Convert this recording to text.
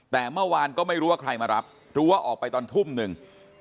แต่เมื่อวานก็ไม่รู้ว่าใครมารับรู้ว่าออกไปตอนทุ่มหนึ่ง